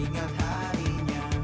nggak sekarang bangun